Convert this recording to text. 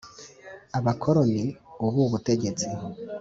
abakoroni Ubu butegetsi